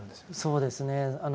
そうですねあの。